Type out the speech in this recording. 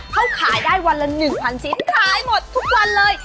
เขาขายได้วันละ๑๐๐ชิ้นขายหมดทุกวันเลย